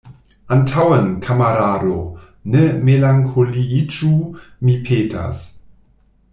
Antaŭen, kamarado! ne melankoliiĝu, mi petas.